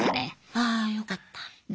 ああよかった。